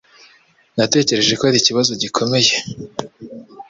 Natekereje ko ari ikibazo gikomeye